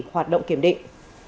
hoạt động kiểm định